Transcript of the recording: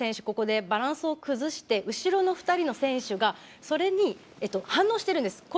ここでバランスを崩して後ろの２人の選手がそれに反応しているんです。